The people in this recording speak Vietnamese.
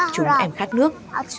chúng em khát nước